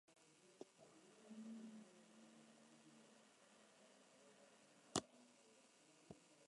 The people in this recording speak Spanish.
Así que la primera parte puede aparecer como Abdel, Abdul o Abd-al.